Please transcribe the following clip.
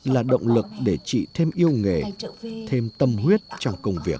là động lực để chị thêm yêu nghề thêm tâm huyết trong công việc